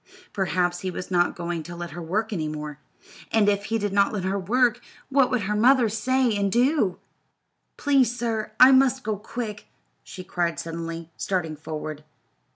Perhaps he was not going to let her work any more, and if he did not let her work, what would her mother say and do? "Please, sir, I must go, quick," she cried suddenly, starting forward.